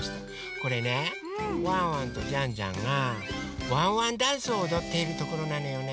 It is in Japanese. これねワンワンとジャンジャンがワンワンダンスをおどっているところなのよね。